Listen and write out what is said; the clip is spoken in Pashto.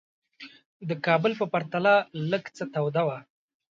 د کابل په پرتله لږ څه توده وه.